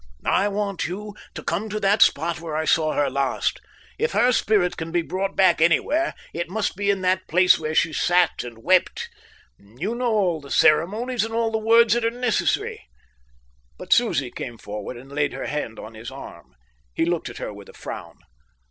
"I want you to come to that spot where I saw her last. If her spirit can be brought back anywhere, it must be in that place where she sat and wept. You know all the ceremonies and all the words that are necessary." But Susie came forward and laid her hand on his arm. He looked at her with a frown.